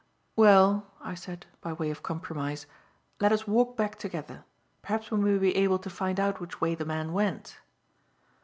"Well," I said, by way of compromise, "let us walk back together. Perhaps we may be able to find out which way the man went."